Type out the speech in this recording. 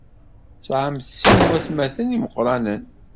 Tesɛamt sin n waytmaten imeqranen.